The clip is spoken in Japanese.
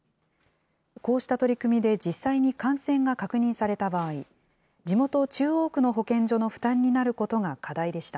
こうした取り組みで実際に感染が確認された場合、地元、中央区の保健所の負担になることが課題でした。